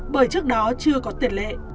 bởi trước đó chưa có tiền lệ